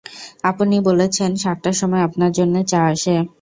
আপনি বলেছেন, সাতটার সময় আপনার জন্যে চা আসে।